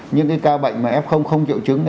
những cái ca bệnh mà f không triệu chứng